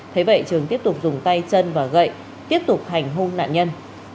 thế vậy trường tiếp tục dùng tay chân và gậy tiếp tục hành hung nạn nhân